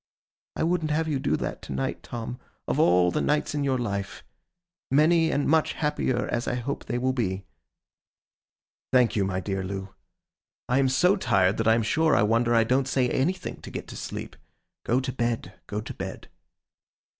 'I wouldn't have you do that to night, Tom, of all the nights in your life; many and much happier as I hope they will be.' 'Thank you, my dear Loo. I am so tired, that I am sure I wonder I don't say anything to get to sleep. Go to bed, go to bed.